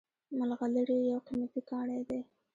ملغلرې یو قیمتي کاڼی دی